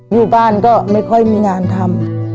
อยู่บ้านก็ไม่ค่อยมีงานทำ